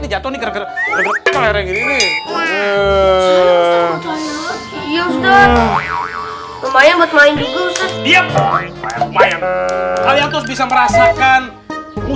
saya tahu ustadz ini pasti ulangnya trio memo